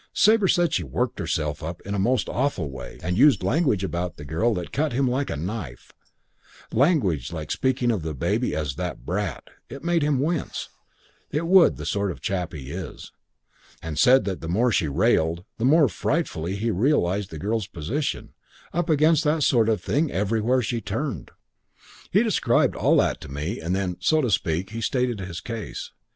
Sabre said she worked herself up in the most awful way and used language about the girl that cut him like a knife language like speaking of the baby as 'that brat.' It made him wince. It would the sort of chap he is. And he said that the more she railed, the more frightfully he realised the girl's position, up against that sort of thing everywhere she turned. "He described all that to me and then, so to speak, he stated his case.